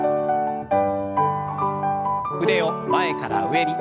腕を前から上に。